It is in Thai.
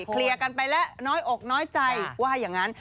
เคลียร์กันไปแล้วน้อยอกน้อยใจว่าอย่างนั้น